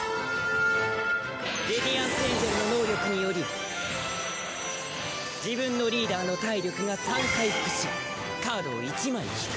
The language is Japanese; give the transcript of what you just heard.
レディアンスエンジェルの能力により自分のリーダーの体力が３回復しカードを１枚引く。